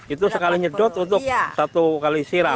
itu sekali nyedot untuk satu kali siram